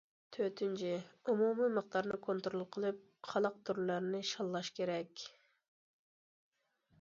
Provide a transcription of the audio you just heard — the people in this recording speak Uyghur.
تۆتىنچى، ئومۇمىي مىقدارنى كونترول قىلىپ، قالاق تۈرلەرنى شاللاش كېرەك.